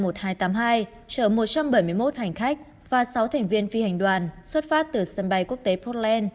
chở một trăm bảy mươi một hành khách và sáu thành viên phi hành đoàn xuất phát từ sân bay quốc tế potland